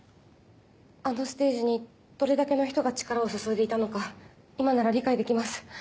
あのステージにどれだけの人が力を注いでいたのか今なら理解できます。